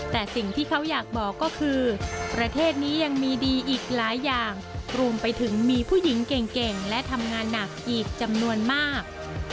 แต่สิ่งที่เขาอยากบอกก็คือประเทศนี้ยังมีดีอีกหลายอย่างรวมไปถึงมีผู้หญิงเก่งและทำงานหนักอีกจำนวนมาก